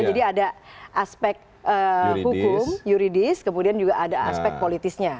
jadi ada aspek hukum yuridis kemudian juga ada aspek politisnya